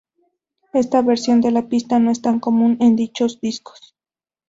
Esta versión de la pista no es tan común en dichos discos.